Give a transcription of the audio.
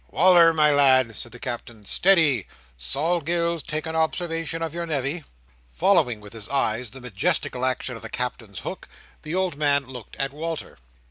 "Wal"r, my lad," said the Captain. "Steady! Sol Gills, take an observation of your nevy." Following with his eyes the majestic action of the Captain's hook, the old man looked at Walter.